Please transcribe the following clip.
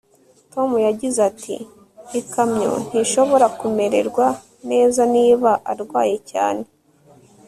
tom yagize ati ikamyo ntishobora kumererwa neza niba arwaye cyane